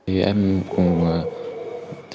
em cũng xin lỗi thầy